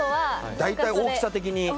大体大きさ的に。